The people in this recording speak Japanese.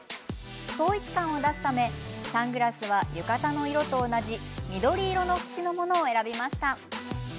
統一感を出すためサングラスは浴衣の色と同じ緑色の縁のものを選びました。